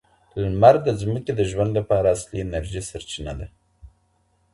لمر د ځمکې د ژوند لپاره اصلي انرژي سرچینه ده.